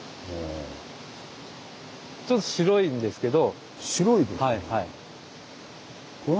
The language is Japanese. ちょっと白いんですけど。